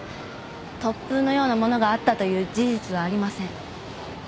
突風のようなものがあったという事実はありません。